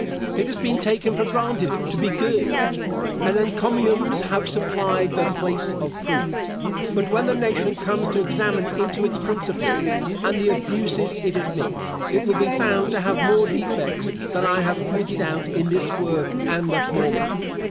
It has been taken for granted to be good, and encomiums have supplied the place of proof. But when the nation comes to examine into its principles and the abuses it admits, it will be found to have more defects than I have pointed out in this work and the former.